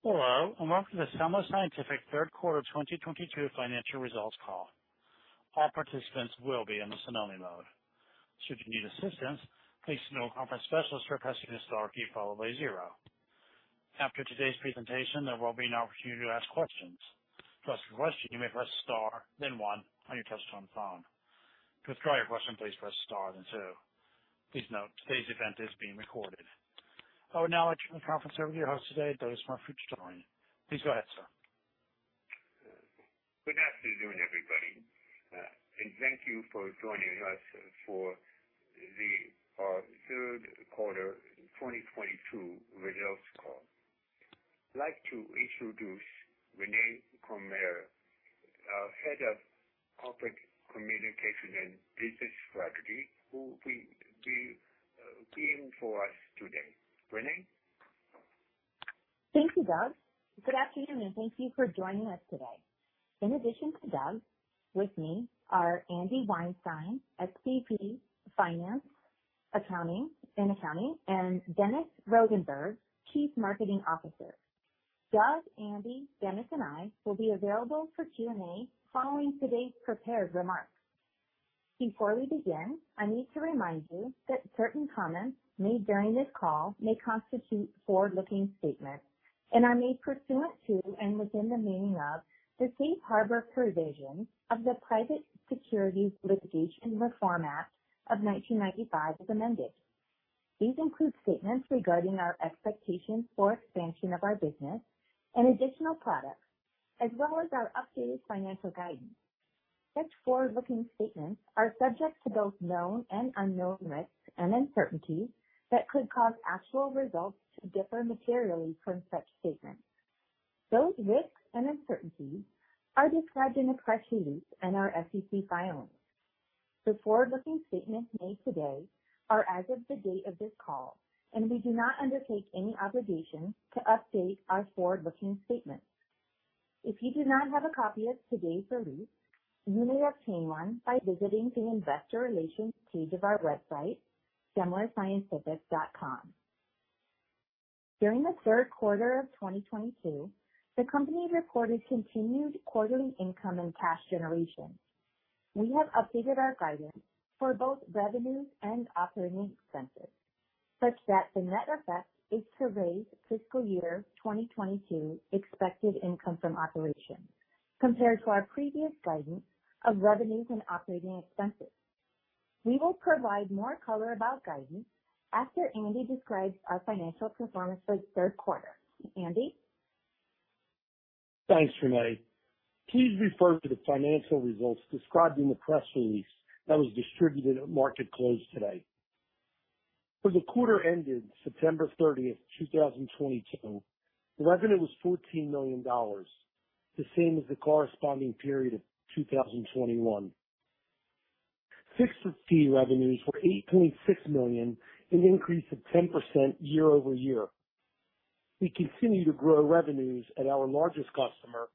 Hello, and welcome to the Semler Scientific third quarter 2022 financial results call. All participants will be in the listen-only mode. Should you need assistance, please contact your conference specialist by pressing the star key followed by zero. After today's presentation, there will be an opportunity to ask questions. To ask a question, you may press star then one on your touch-tone phone. To withdraw your question, please press star then two. Please note, today's event is being recorded. I will now turn the conference over to your host today, Doug Murphy-Chutorian. Doug, please go ahead, sir. Good afternoon, everybody, and thank you for joining us for the third quarter 2022 results call. I'd like to introduce Renae Cormier, our Head of Corporate Communication and Business Strategy, who will be speaking for us today. Renae? Thank you, Doug. Good afternoon, and thank you for joining us today. In addition to Doug, with me are Andy Weinstein, SVP, Finance, Atty, and Accounting, and Dennis Rosenberg, Chief Marketing Officer. Doug, Andy, Dennis and I will be available for Q&A following today's prepared remarks. Before we begin, I need to remind you that certain comments made during this call may constitute forward-looking statements and are made pursuant to and within the meaning of the Safe Harbor provisions of the Private Securities Litigation Reform Act of 1995 as amended. These include statements regarding our expectations for expansion of our business and additional products, as well as our updated financial guidance. Such forward-looking statements are subject to both known and unknown risks and uncertainties that could cause actual results to differ materially from such statements. Those risks and uncertainties are described in the press release and our SEC filings. The forward-looking statements made today are as of the date of this call, and we do not undertake any obligation to update our forward-looking statements. If you do not have a copy of today's release, you may obtain one by visiting the investor relations page of our website, semlerscientific.com. During the third quarter of 2022, the company reported continued quarterly income and cash generation. We have updated our guidance for both revenues and operating expenses, such that the net effect is to raise fiscal year 2022 expected income from operations compared to our previous guidance of revenues and operating expenses. We will provide more color about guidance after Andy describes our financial performance for the third quarter. Andy? Thanks, Renae. Please refer to the financial results described in the press release that was distributed at market close today. For the quarter ended September 30th, 2022, the revenue was $14 million, the same as the corresponding period of 2021. Fixed fee revenues were $8.6 million, an increase of 10% year-over-year. We continue to grow revenues at our largest customer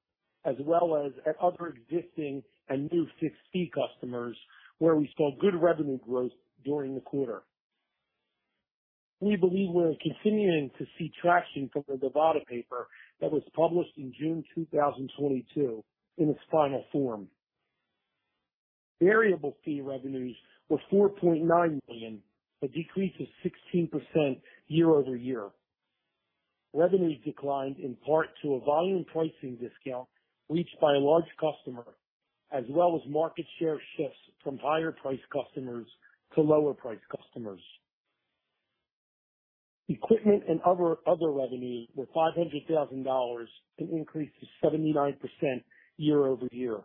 as well as at other existing and new fixed fee customers, where we saw good revenue growth during the quarter. We believe we're continuing to see traction from the Nevada paper that was published in June 2022 in its final form. Variable fee revenues were $4.9 million, a decrease of 16% year-over-year. Revenues declined in part to a volume pricing discount reached by a large customer, as well as market share shifts from higher price customers to lower price customers. Equipment and other revenues were $500,000, an increase of 79% year-over-year.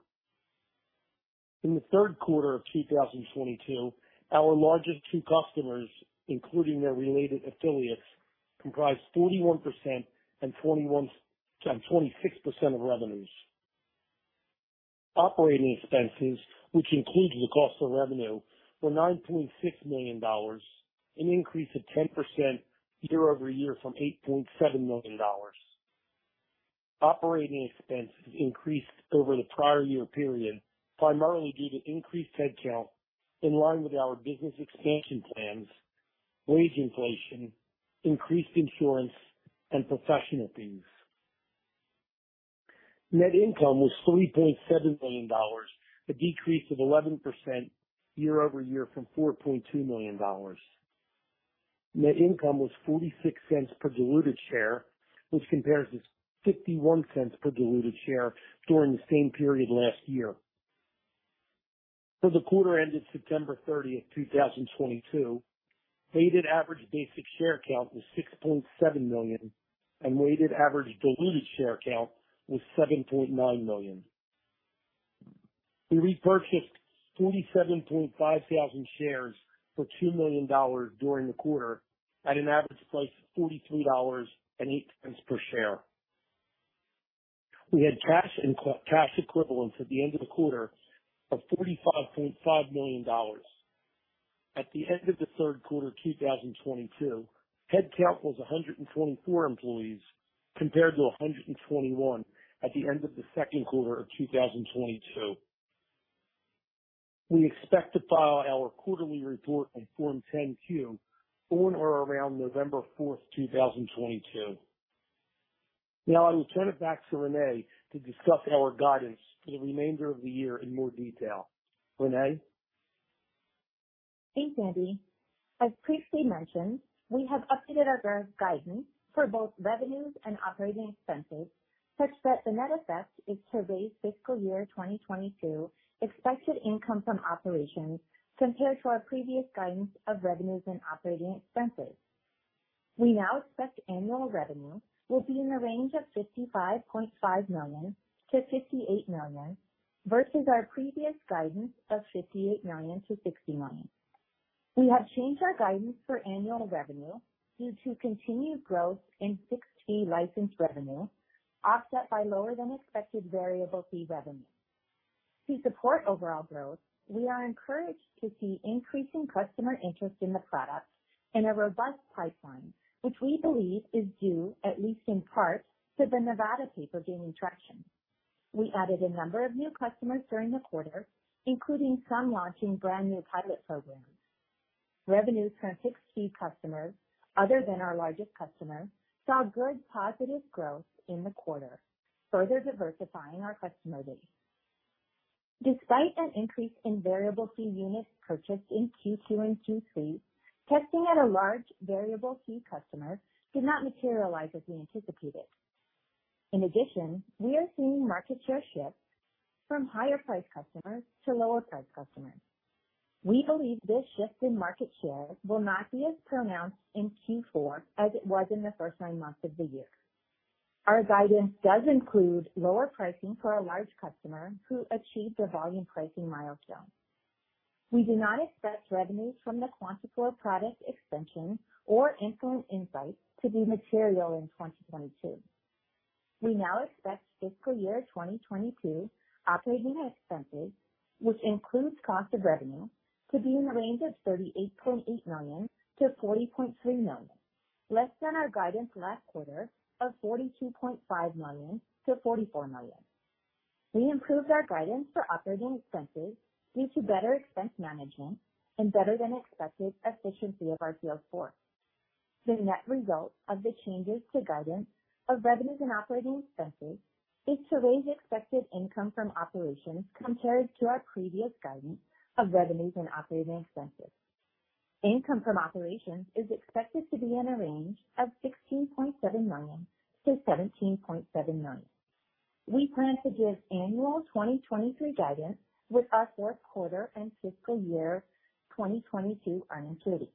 In the third quarter of 2022, our largest two customers, including their related affiliates, comprised 41% and 26% of revenues. Operating expenses, which include the cost of revenue, were $9.6 million, an increase of 10% year-over-year from $8.7 million. Operating expenses increased over the prior year period primarily due to increased headcount in line with our business expansion plans, wage inflation, increased insurance, and professional fees. Net income was $3.7 million, a decrease of 11% year-over-year from $4.2 million. Net income was $0.46 per diluted share, which compares to $0.51 per diluted share during the same period last year. For the quarter ended September 30th, 2022, weighted average basic share count was 6.7 million, and weighted average diluted share count was 7.9 million. We repurchased 47,500 shares for $2 million during the quarter at an average price of $43.08 per share. We had cash and cash equivalents at the end of the quarter of $45.5 million. At the end of the third quarter 2022, headcount was 124 employees, compared to 121 at the end of the second quarter of 2022. We expect to file our quarterly report on Form 10-Q on or around November 4th, 2022. Now I will turn it back to Renae to discuss our guidance for the remainder of the year in more detail. Renae? Thanks, Andy. As previously mentioned, we have updated our guidance for both revenues and operating expenses such that the net effect is to raise fiscal year 2022 expected income from operations compared to our previous guidance of revenues and operating expenses. We now expect annual revenue will be in the range of $55.5 million-$58 million versus our previous guidance of $58 million-$60 million. We have changed our guidance for annual revenue due to continued growth in fixed fee license revenue, offset by lower than expected variable fee revenue. To support overall growth, we are encouraged to see increasing customer interest in the product and a robust pipeline, which we believe is due at least in part to the Nevada paper gaining traction. We added a number of new customers during the quarter, including some launching brand new pilot programs. Revenues from fixed fee customers other than our largest customer saw good positive growth in the quarter, further diversifying our customer base. Despite an increase in variable fee units purchased in Q2 and Q3, testing at a large variable fee customer did not materialize as we anticipated. In addition, we are seeing market share shift from higher priced customers to lower priced customers. We believe this shift in market share will not be as pronounced in Q4 as it was in the first nine months of the year. Our guidance does include lower pricing for a large customer who achieved a volume pricing milestone. We do not expect revenues from the QuantaFlo product extension or Insulin Insights to be material in 2022. We now expect fiscal year 2022 operating expenses, which includes cost of revenue, to be in the range of $38.8 million-$40.3 million, less than our guidance last quarter of $42.5 million-$44 million. We improved our guidance for operating expenses due to better expense management and better than expected efficiency of our sales force. The net result of the changes to guidance of revenues and operating expenses is to raise expected income from operations compared to our previous guidance of revenues and operating expenses. Income from operations is expected to be in a range of $16.7 million-$17.7 million. We plan to give annual 2023 guidance with our fourth quarter and fiscal year 2022 earnings release.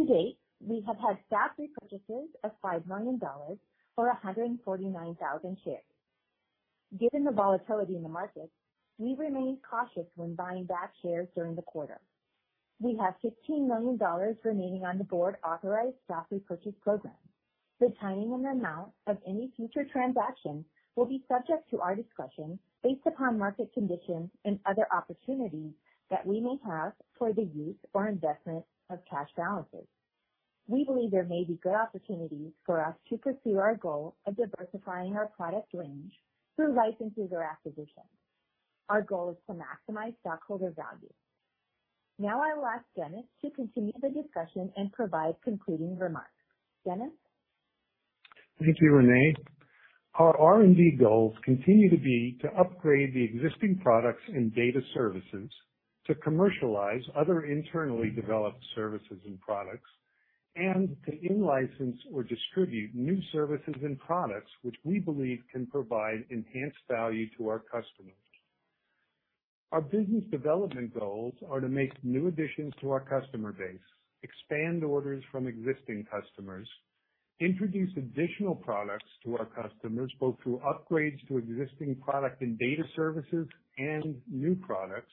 To date, we have had stock repurchases of $5 million or 149,000 shares. Given the volatility in the market, we remained cautious when buying back shares during the quarter. We have $15 million remaining on the board authorized stock repurchase program. The timing and amount of any future transaction will be subject to our discussion based upon market conditions and other opportunities that we may have for the use or investment of cash balances. We believe there may be good opportunities for us to pursue our goal of diversifying our product range through licenses or acquisitions. Our goal is to maximize stockholder value. Now I will ask Dennis to continue the discussion and provide concluding remarks. Dennis? Thank you, Renae. Our R&D goals continue to be to upgrade the existing products and data services to commercialize other internally developed services and products, and to in-license or distribute new services and products which we believe can provide enhanced value to our customers. Our business development goals are to make new additions to our customer base, expand orders from existing customers, introduce additional products to our customers, both through upgrades to existing product and data services and new products,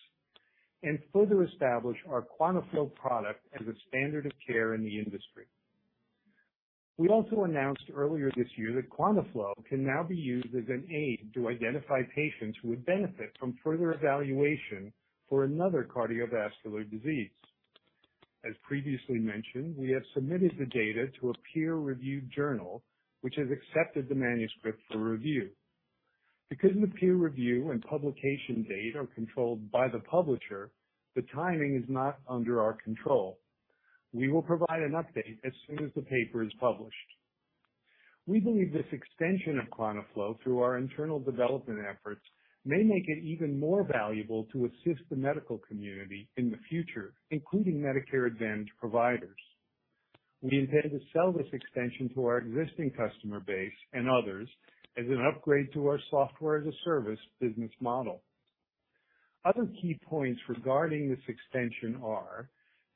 and further establish our QuantaFlo product as a standard of care in the industry. We also announced earlier this year that QuantaFlo can now be used as an aid to identify patients who would benefit from further evaluation for another cardiovascular disease. As previously mentioned, we have submitted the data to a peer-reviewed journal, which has accepted the manuscript for review. Because the peer review and publication date are controlled by the publisher, the timing is not under our control. We will provide an update as soon as the paper is published. We believe this extension of QuantaFlo through our internal development efforts may make it even more valuable to assist the medical community in the future, including Medicare Advantage providers. We intend to sell this extension to our existing customer base and others as an upgrade to our software as a service business model. Other key points regarding this extension are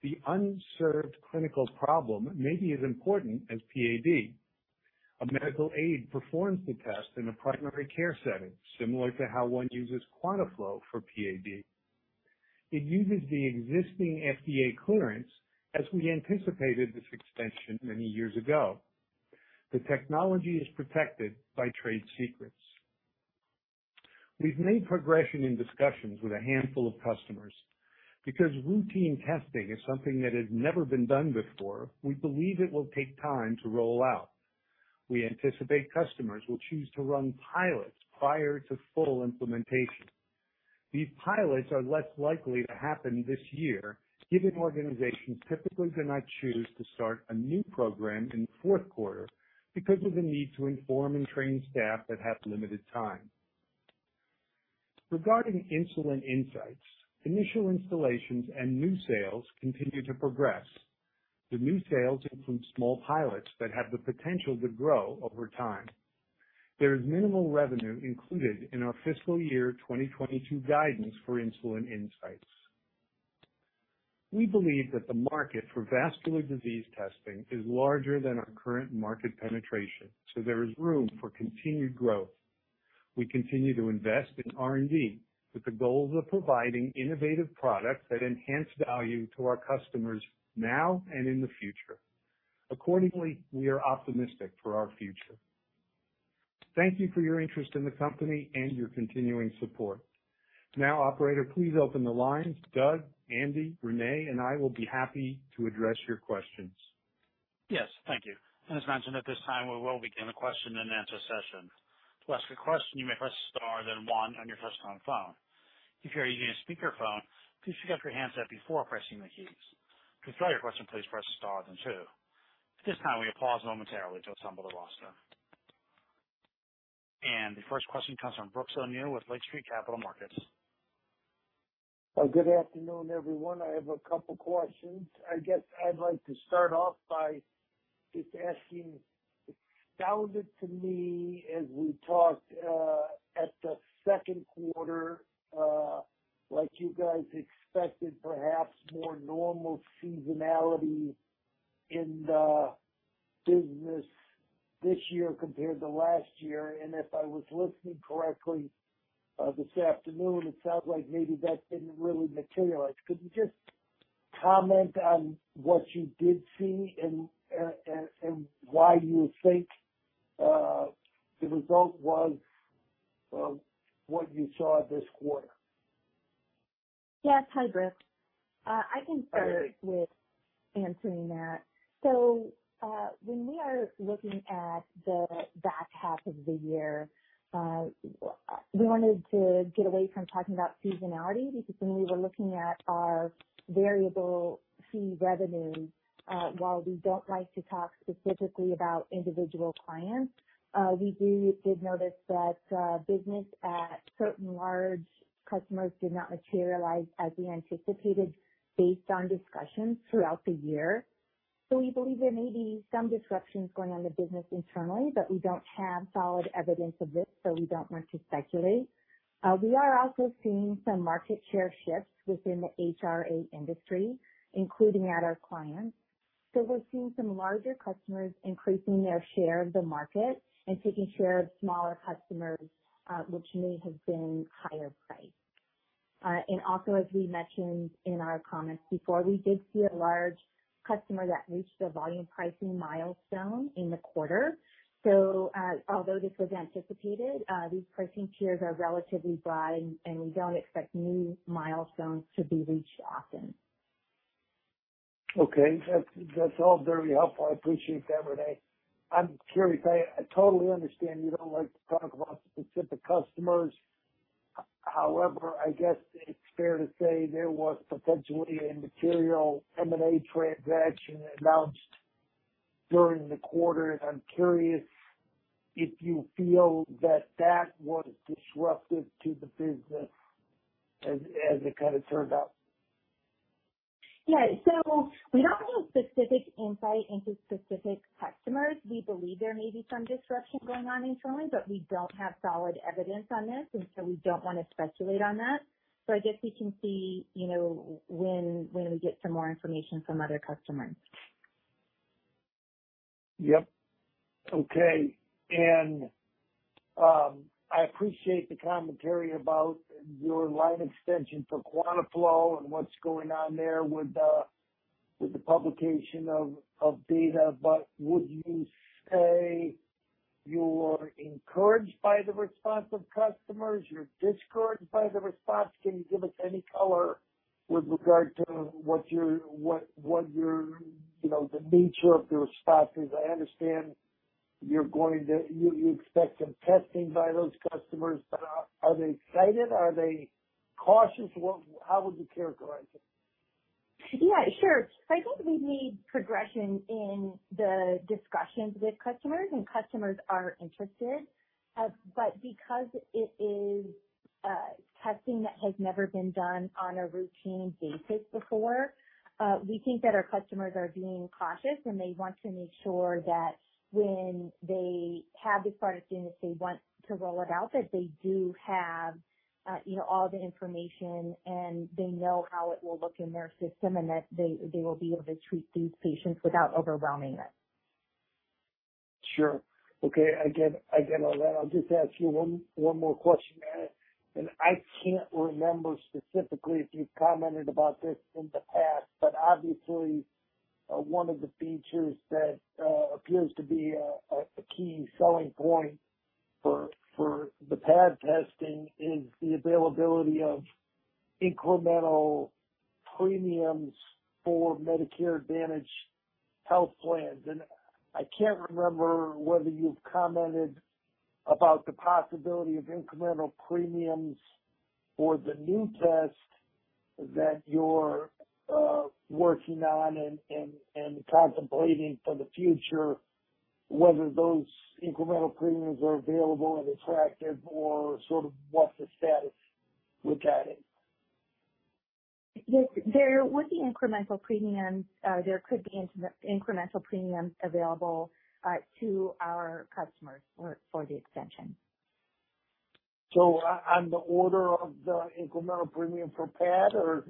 the unserved clinical problem may be as important as PAD. A medical aid performs the test in a primary care setting, similar to how one uses QuantaFlo for PAD. It uses the existing FDA clearance, as we anticipated this extension many years ago. The technology is protected by trade secrets. We've made progression in discussions with a handful of customers. Because routine testing is something that has never been done before, we believe it will take time to roll out. We anticipate customers will choose to run pilots prior to full implementation. These pilots are less likely to happen this year, given organizations typically do not choose to start a new program in the fourth quarter because of the need to inform and train staff that have limited time. Regarding Insulin Insights, initial installations and new sales continue to progress. The new sales include small pilots that have the potential to grow over time. There is minimal revenue included in our fiscal year 2022 guidance for Insulin Insights. We believe that the market for vascular disease testing is larger than our current market penetration, so there is room for continued growth. We continue to invest in R&D with the goals of providing innovative products that enhance value to our customers now and in the future. Accordingly, we are optimistic for our future. Thank you for your interest in the company and your continuing support. Now, operator, please open the line. Doug, Andy, Renae and I will be happy to address your questions. Yes. Thank you. As mentioned, at this time, we will begin the question-and-answer session. To ask a question, you may press star then one on your touch-tone phone. If you are using a speakerphone, please pick up your handset before pressing the keys. To withdraw your question, please press star then two. At this time, we will pause momentarily to assemble the roster. The first question comes from Brooks O'Neil with Lake Street Capital Markets. Good afternoon, everyone. I have a couple questions. I guess I'd like to start off by just asking. It sounded to me, as we talked, at the second quarter, like you guys expected perhaps more normal seasonality in the business this year compared to last year. If I was listening correctly, this afternoon, it sounds like maybe that didn't really materialize. Could you just comment on what you did see and why you think the result was what you saw this quarter? Yes. Hi, Brooks. I can start with answering that. When we are looking at the back half of the year, we wanted to get away from talking about seasonality because when we were looking at our variable fee revenue, while we don't like to talk specifically about individual clients, we did notice that business at certain large customers did not materialize as we anticipated based on discussions throughout the year. We believe there may be some disruptions going on in the business internally, but we don't have solid evidence of this, so we don't want to speculate. We are also seeing some market share shifts within the HRA industry, including at our clients. We're seeing some larger customers increasing their share of the market and taking share of smaller customers, which may have been higher priced. As we mentioned in our comments before, we did see a large customer that reached a volume pricing milestone in the quarter. Although this was anticipated, these pricing tiers are relatively broad and we don't expect new milestones to be reached often. Okay. That's all very helpful. I appreciate that, Renae. I'm curious. I totally understand you don't like to talk about specific customers. However, I guess it's fair to say there was potentially a material M&A transaction announced during the quarter. I'm curious if you feel that, that was disruptive to the business as it kind of turned out. Yeah. We don't have specific insight into specific customers. We believe there may be some disruption going on internally, but we don't have solid evidence on this, and so we don't want to speculate on that. I guess we can see, you know, when we get some more information from other customers. Yep. Okay. I appreciate the commentary about your line extension for QuantaFlo and what's going on there with the publication of data. Would you say you're encouraged by the response of customers, you're discouraged by the response? Can you give us any color with regard to what you're you know, the nature of the response is? I understand you expect some testing by those customers. Are they excited? Are they cautious? How would you characterize it? Yeah, sure. I think we've made progression in the discussions with customers, and customers are interested. Because it is testing that has never been done on a routine basis before, we think that our customers are being cautious, and they want to make sure that when they have this product and if they want to roll it out, that they do have, you know, all the information and they know how it will look in their system, and that they will be able to treat these patients without overwhelming them. Sure. Okay. I get all that. I'll just ask you one more question. I can't remember specifically if you've commented about this in the past, but obviously one of the features that appears to be a key selling point for the PAD testing is the availability of incremental premiums for Medicare Advantage health plans. I can't remember whether you've commented about the possibility of incremental premiums for the new test that you're working on and contemplating for the future, whether those incremental premiums are available and attractive or sort of what's the status with that? Yes. There would be incremental premiums. There could be incremental premiums available to our customers for the extension. On the order of the incremental premium for PAD, or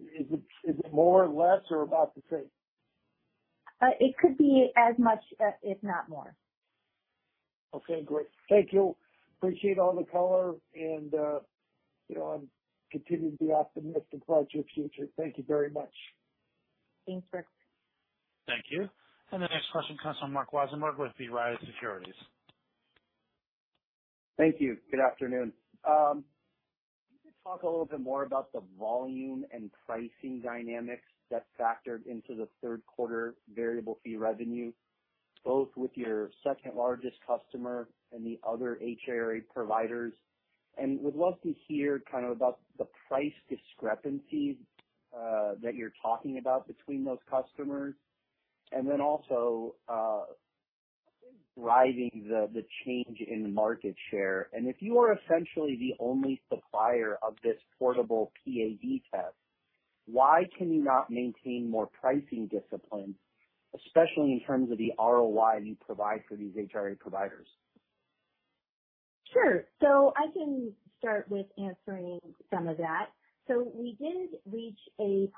is it more, less, or about the same? It could be as much, if not more. Okay. Great. Thank you. Appreciate all the color, and you know, I'm continuing to be optimistic about your future. Thank you very much. Thanks, Brooks. Thank you. The next question comes from Marc Wiesenberger with B Riley Securities. Thank you. Good afternoon. Can you just talk a little bit more about the volume and pricing dynamics that factored into the third quarter variable fee revenue, both with your second-largest customer and the other HRA providers? Would love to hear kind of about the price discrepancies that you're talking about between those customers. Then also, what is driving the change in market share? If you are essentially the only supplier of this portable PAD test, why can you not maintain more pricing discipline, especially in terms of the ROI you provide for these HRA providers? Sure. I can start with answering some of that. We did reach a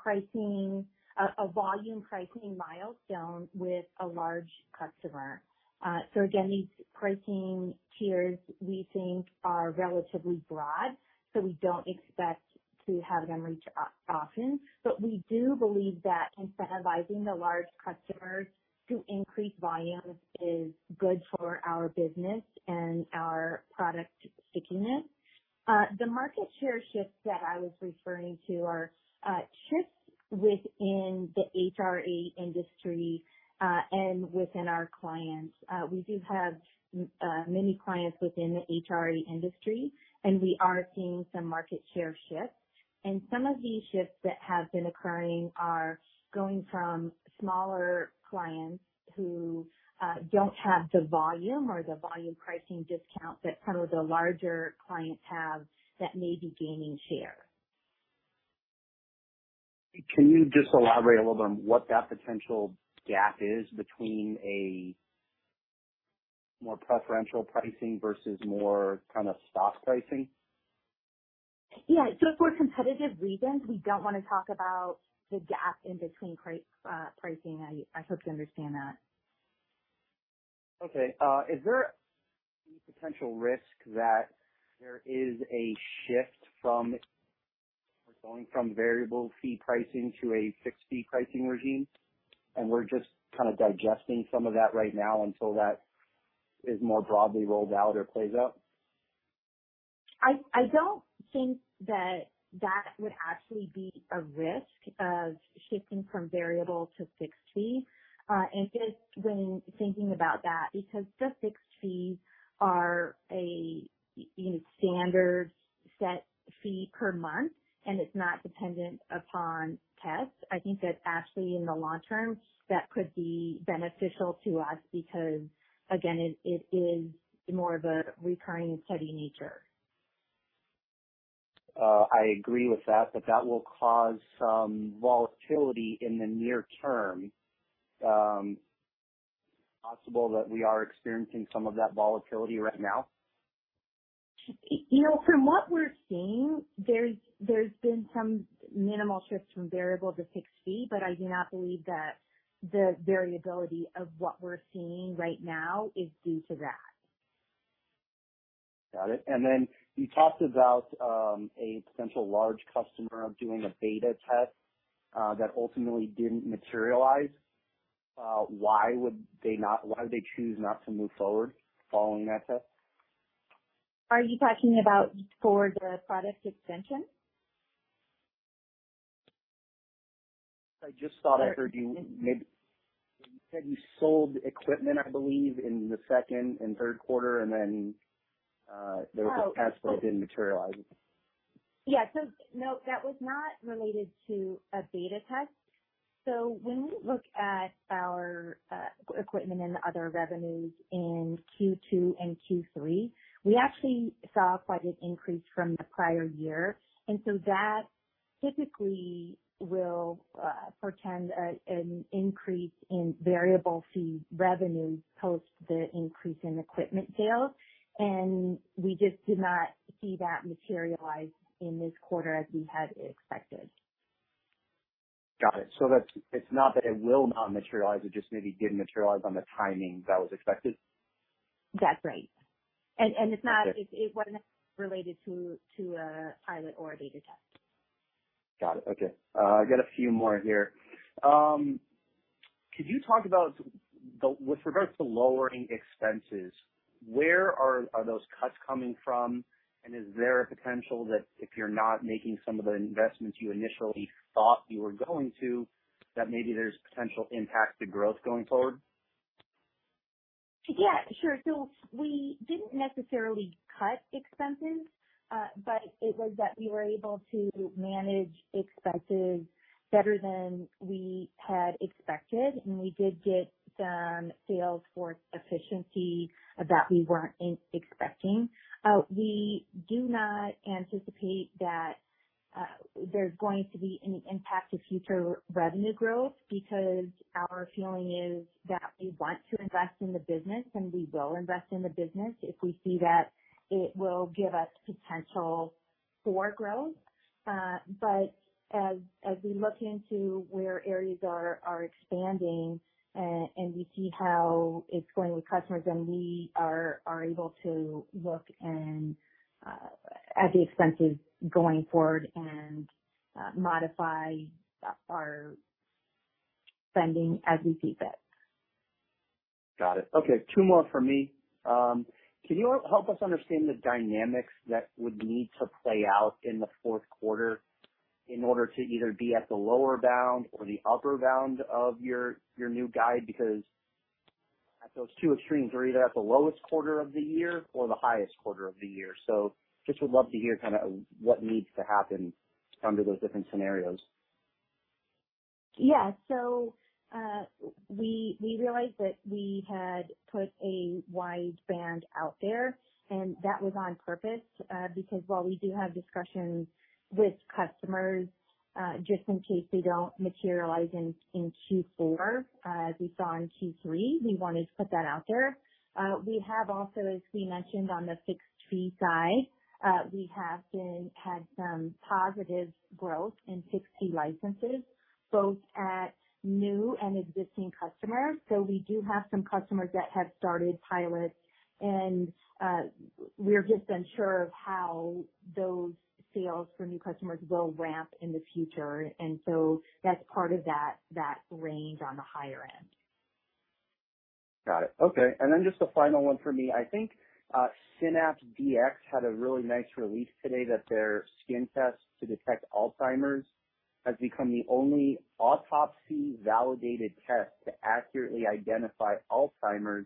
volume pricing milestone with a large customer. Again, these pricing tiers we think are relatively broad, so we don't expect to have them reach often. We do believe that incentivizing the large customers to increase volume is good for our business and our product stickiness. The market share shifts that I was referring to are shifts within the HRA industry and within our clients. We do have many clients within the HRA industry, and we are seeing some market share shifts. Some of these shifts that have been occurring are going from smaller clients who don't have the volume or the volume pricing discount that some of the larger clients have that may be gaining share. Can you just elaborate a little bit on what that potential gap is between a more preferential pricing versus more kind of stock pricing? Yeah. For competitive reasons, we don't wanna talk about the gap in between pricing. I hope you understand that. Okay. Is there any potential risk that there is a shift from going from variable fee pricing to a fixed fee pricing regime? We're just kind of digesting some of that right now until that is more broadly rolled out or plays out. I don't think that would actually be a risk of shifting from variable to fixed fee, and just when thinking about that, because the fixed fees are a standard set fee per month and it's not dependent upon tests. I think that actually in the long term, that could be beneficial to us because again, it is more of a recurring and steady nature. I agree with that, but that will cause some volatility in the near term. Possible that we are experiencing some of that volatility right now? You know, from what we're seeing, there's been some minimal shifts from variable to fixed fee, but I do not believe that the variability of what we're seeing right now is due to that. Got it. Then you talked about a potential large customer of doing a beta test that ultimately didn't materialize. Why did they choose not to move forward following that test? Are you talking about the product extension? You said you sold equipment, I believe, in the second and third quarter and then. Oh. There was a test that didn't materialize. Yeah. No, that was not related to a beta test. When we look at our equipment and the other revenues in Q2 and Q3, we actually saw quite an increase from the prior year. That typically will portend an increase in variable fee revenue post the increase in equipment sales. We just did not see that materialize in this quarter as we had expected. Got it. It's not that it will not materialize, it just maybe didn't materialize on the timing that was expected. That's right. Okay. It wasn't related to a pilot or a beta test. Got it. Okay. I got a few more here. Can you talk about, with regards to lowering expenses, where are those cuts coming from? And is there a potential that if you're not making some of the investments you initially thought you were going to, that maybe there's potential impact to growth going forward? Yeah, sure. We didn't necessarily cut expenses, but it was that we were able to manage expenses better than we had expected, and we did get some sales force efficiency that we weren't expecting. We do not anticipate that there's going to be any impact to future revenue growth because our feeling is that we want to invest in the business and we will invest in the business if we see that it will give us potential for growth. As we look into where areas are expanding and we see how it's going with customers and we are able to look at the expenses going forward and modify our spending as we see fit. Got it. Okay, two more for me. Can you help us understand the dynamics that would need to play out in the fourth quarter in order to either be at the lower bound or the upper bound of your new guide? Because at those two extremes, you're either at the lowest quarter of the year or the highest quarter of the year. Just would love to hear kinda what needs to happen under those different scenarios. Yeah, we realized that we had put a wide band out there, and that was on purpose, because while we do have discussions with customers, just in case they don't materialize in Q4, as we saw in Q3, we wanted to put that out there. We have also, as we mentioned on the fixed fee side, we have had some positive growth in fixed fee licenses, both at new and existing customers. We do have some customers that have started pilots and we're just unsure of how those sales for new customers will ramp in the future. That's part of that range on the higher end. Got it. Okay. Then just a final one for me. I think, SYNAPS Dx had a really nice release today that their skin test to detect Alzheimer's has become the only autopsy-validated test to accurately identify Alzheimer's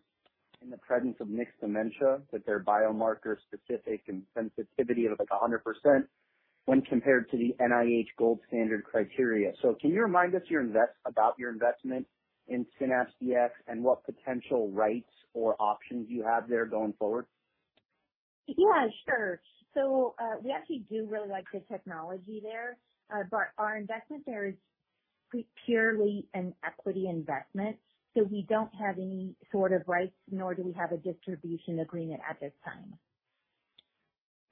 in the presence of mixed dementia with their biomarker specificity and sensitivity of, like, 100% when compared to the NIH gold standard criteria. Can you remind us about your investment in SYNAPS Dx and what potential rights or options you have there going forward? Yeah, sure. We actually do really like the technology there. Our investment there is purely an equity investment, so we don't have any sort of rights, nor do we have a distribution agreement at this time.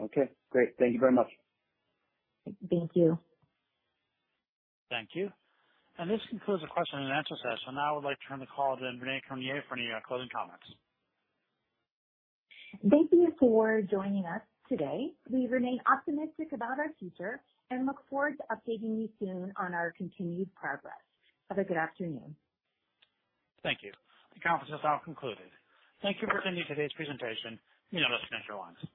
Okay, great. Thank you very much. Thank you. Thank you. This concludes the question and answer session. Now I would like to turn the call to Renae Cormier for any closing comments. Thank you for joining us today. We remain optimistic about our future and look forward to updating you soon on our continued progress. Have a good afternoon. Thank you. The conference is now concluded. Thank you for attending today's presentation. You may disconnect your lines.